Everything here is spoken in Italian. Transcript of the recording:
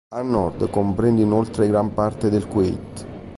A nord, comprende inoltre gran parte del Kuwait.